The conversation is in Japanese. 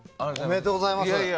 ありがとうございます。